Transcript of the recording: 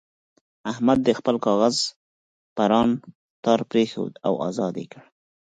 احمد د خپل کاغذ پران تار پرېښود او ازاد یې کړ.